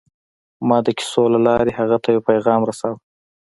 ما د کیسو له لارې هغه ته یو پیغام رساوه